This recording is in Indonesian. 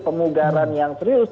pemugaran yang serius